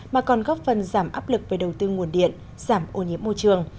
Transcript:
mà còn góp phần giảm áp lực về đầu tư nguồn điện giảm ô nhiễm môi trường